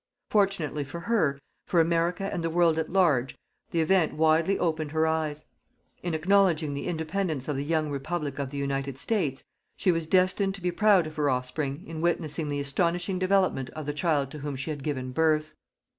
Fortunately for her, for America and the world at large, the event widely opened her eyes. In acknowledging the independence of the young Republic of the United States, she was destined to be proud of her offspring in witnessing the astonishing development of the child to whom she had given birth.